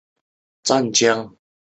曾不知其先祖神灵所在。